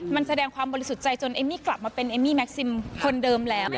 มันแสดงความบริสุทธิ์ใจจนเอมมี่กลับมาเป็นเอมมี่แม็กซิมคนเดิมแล้ว